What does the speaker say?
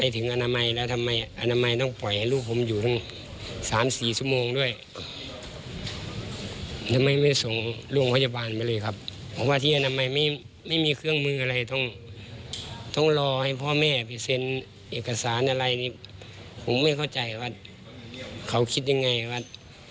ทำไมไม่ส่งล่วงพยาบาลไปเลยครับเพราะว่าที่อนามัยไม่มีเครื่องมืออะไรต้องรอให้พ่อแม่ไปเซ็นเอกสารอะไรผมไม่เข้าใจว่าเขาคิดยังไงว่า